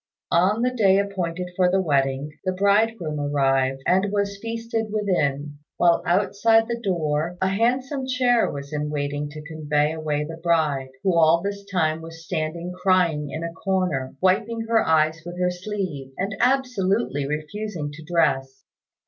On the day appointed for the wedding, the bridegroom arrived, and was feasted within, while outside the door a handsome chair was in waiting to convey away the bride, who all this time was standing crying in a corner, wiping her eyes with her sleeve, and absolutely refusing to dress.